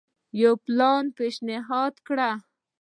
یو پلان پېشنهاد کړ.